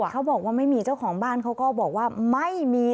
เขาบอกว่าไม่มีเจ้าของบ้านเขาก็บอกว่าไม่มี